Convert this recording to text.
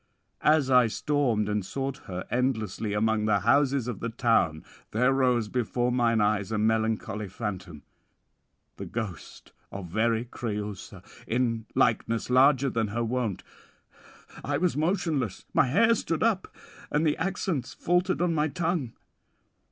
As I stormed and sought her endlessly among the houses of the town, there rose before mine eyes a melancholy phantom, the ghost of very Creüsa, in likeness larger than her wont. I was motionless; my hair stood up, and the accents faltered on my tongue.